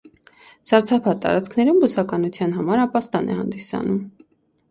Սառցապատ շարածքներում բուսականության համար ապաստան է հանդիսանում։